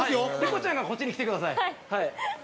◆莉子ちゃんがこっちに来てください。